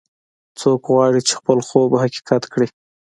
څوک غواړي چې خپل خوب حقیقت کړي